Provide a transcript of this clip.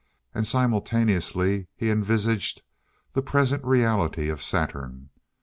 And simultaneously he envisaged the present reality of Saturn.